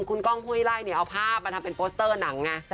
คุณก้องห้วยไล่เนี่ยเอาภาพมาทำเป็นโปสเตอร์หนังไง